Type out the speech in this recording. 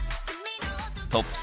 トップ３。